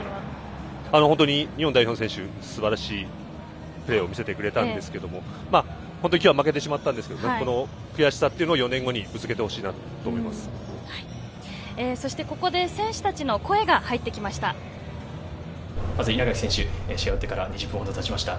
本当に日本代表の選手、すばらしいプレーを見せてくれたんですけれども、本当にきょうは負けてしまったんですけど、悔しさを４年後にそして、ここで、選手たちの声まず稲垣選手、試合が終わってから２０分ほどたちました、